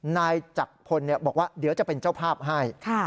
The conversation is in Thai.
นายจักรพลบอกว่าเดี๋ยวจะเป็นเจ้าภาพให้